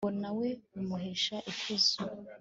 ngo na we bimuheshe ikuzo